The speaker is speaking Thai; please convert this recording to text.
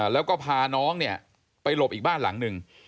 แล้วก็พาน้องไปหลบอีกบ้านหลังนึง